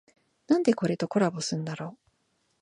なんでこれとコラボすんだろ